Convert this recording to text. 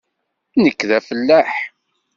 Nekk d afellaḥ.